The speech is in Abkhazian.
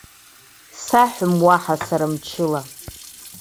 Саҳәом уаҳа сара мчыла.